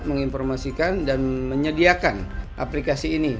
menginformasikan dan menyediakan aplikasi ini